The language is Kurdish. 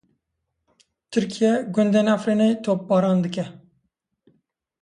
Tirkiye, gundên Efrînê topbaran dike.